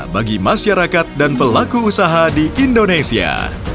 bagi masyarakat dan pelaku usaha di indonesia